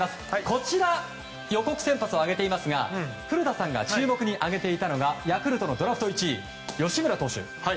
こちら予告先発を挙げていますが古田さんが注目に挙げていたのがヤクルトのドラフト１位吉村投手。